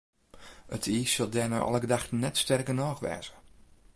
It iis sil dêr nei alle gedachten net sterk genôch wêze.